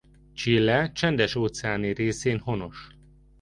Chile csendes-óceáni részén honos.